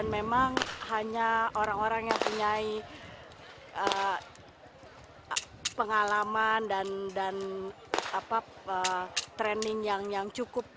memang hanya orang orang yang punya pengalaman dan training yang cukup